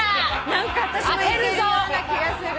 何か私もいけるような気がする。